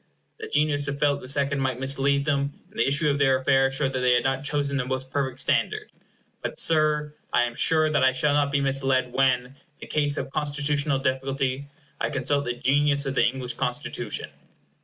The genius of Philip the Second might mislead them, and the issue of their affairs showed that they had not chosen the most perfect standard; but, Sir, I am sure that I shall not be misled when, in a case of constitutional difficulty, I consult the genius of the English Constitution.